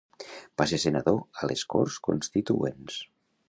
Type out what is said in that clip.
Va ser senador a les Corts Constituents.